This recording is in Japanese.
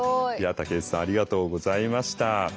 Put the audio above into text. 竹内さんありがとうございました。